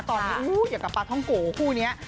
ตอนนี้อยากกลับไปท่องโกคู่นี้